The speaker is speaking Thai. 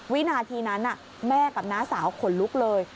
วินาทีนั้นแม่กับน้าสาวขนลุกเลย